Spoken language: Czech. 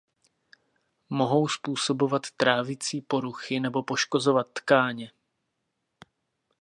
Mohou způsobovat trávicí poruchy nebo poškozovat tkáně.